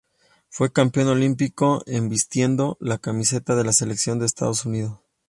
Fue campeón olímpico en vistiendo la camiseta de la selección de Estados Unidos.